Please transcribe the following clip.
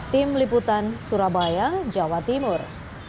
tim liputan surabaya jawa timur